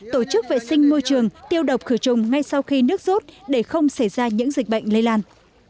trường tiêu độc khử trùng ngay sau khi nước rút để không xảy ra những dịch bệnh lây lan